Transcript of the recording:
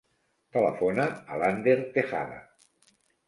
Telefona a l'Ander Tejada.